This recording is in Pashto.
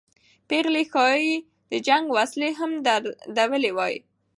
پېغلې ښایي د جنګ وسله هم درلودلې وای.